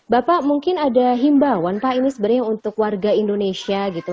bapak mungkin ada himbawan pak ini sebenarnya untuk warga indonesia gitu